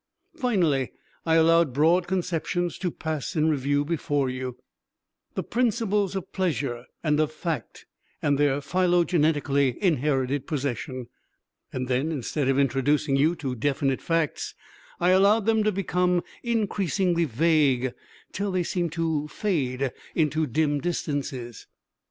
Finally, I allowed broad conceptions to pass in review before you: the principles of pleasure and of fact and their phylogenetically inherited possession; and then, instead of introducing you to definite facts, I allowed them to become increasingly vague till they seemed to fade into dim distances.